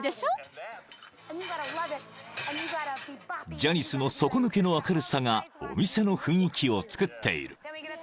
［ジャニスの底抜けの明るさがお店の雰囲気をつくっている］